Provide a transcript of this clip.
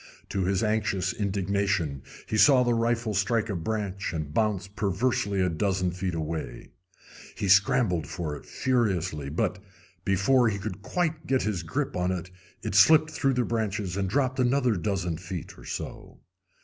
To his anxious indignation he saw the rifle strike a branch and bounce perversely a dozen feet away. He scrambled for it furiously; but, before he could quite get his grip upon it, it slipped through the branches and dropped another dozen feet or so.